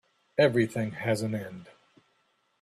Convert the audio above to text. Everything has an end.